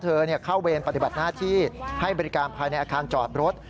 เธอเข้าเวรปฏิบัติหน้าที่ให้บริการภายในอาคารจอดรถ